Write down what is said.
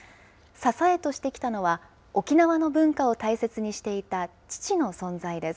支えとしてきたのは、沖縄の文化を大切にしていた父の存在です。